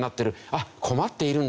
「あっ困っているんだ。